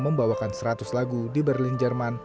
membawakan seratus lagu di berlin jerman